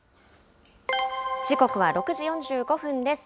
時刻は６時４５分です。